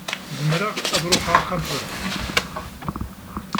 Zemreɣ ad ṛuḥeɣ axxam tura?